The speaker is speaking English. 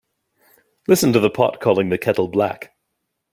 Listen to the pot calling the kettle black.